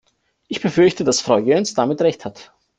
Ich befürchte, dass Frau Jöns damit Recht hat.